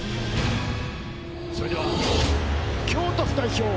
それでは京都府代表